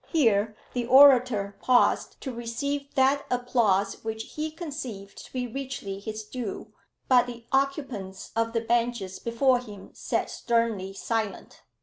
Here the orator paused to receive that applause which he conceived to be richly his due; but the occupants of the benches before him sat sternly silent.